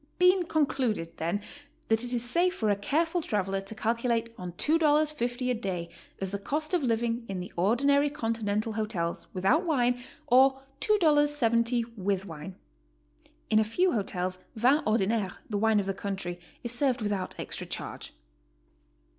Bean concluded, then, that it is safe for a careful traveler to calculate on $2.50 a day as the cost of living in the or dinary Continental hotels, without wine, or $2.70 with wine. (In a few hotels v\n ordinaire, the wine of the country, is served without extra charge.)